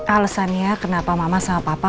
alasannya kenapa mama sama papa